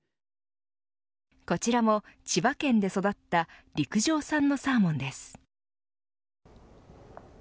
こちらも千葉県で育った陸上産のサーモンです。